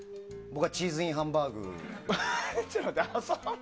僕はチーズインハンバーグ。